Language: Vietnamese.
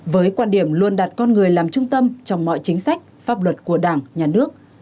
với quan điểm luôn đặt con người làm trung tâm trong mọi chính sách pháp luật của đảng nhà nước